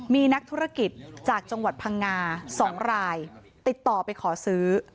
มีนักธุรกิจจากจังหวัดพังงา๒รายติดต่อไปขอซื้อ